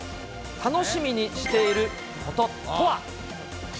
楽しみにしていることとは。